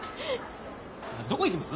どこ行きます？